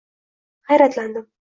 Hayratlandim.